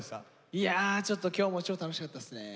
いやちょっと今日も超楽しかったっすね。